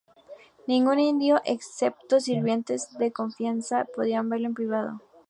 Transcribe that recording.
Ningún indio, excepto sirvientes de confianza, podían verlo en privado.